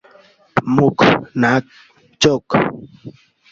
মুখ, নাক, চোখ।